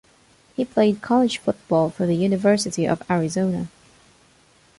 He played college football for the University of Arizona.